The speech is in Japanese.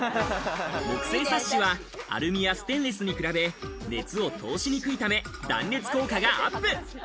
木製サッシはアルミやステンレスに加え、熱を通しにくいため、断熱効果がアップ。